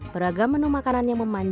beragam menu makanan yang memanfaatkan